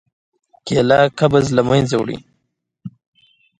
کېله قبض له منځه وړي.